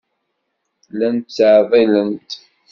Llant ttɛeḍḍilent.